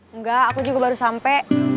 enggak aku juga baru sampai